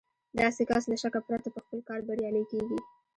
داسې کس له شکه پرته په خپل کار بريالی کېږي.